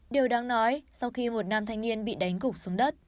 điều đáng nói sau khi một nam thanh niên bị đánh gục xuống đất